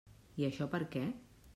I això per què?